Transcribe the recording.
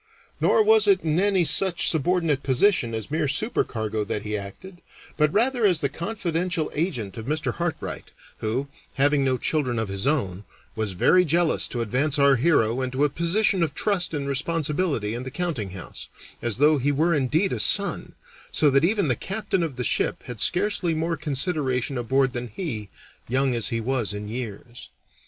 Nor was it in any such subordinate position as mere supercargo that he acted, but rather as the confidential agent of Mr. Hartright, who, having no children of his own, was very jealous to advance our hero into a position of trust and responsibility in the countinghouse, as though he were indeed a son, so that even the captain of the ship had scarcely more consideration aboard than he, young as he was in years.